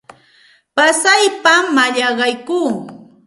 Pasaypam mallaqaykuu.